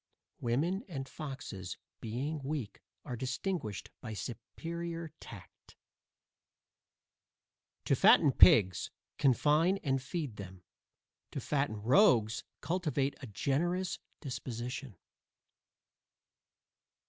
Women, and foxes, being weak, are distinguished by superior tact. To fatten pigs, confine and feed them; to fatten rogues, cultivate a generous disposition.